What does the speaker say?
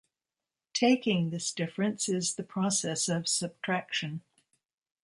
Taking this difference is the process of subtraction.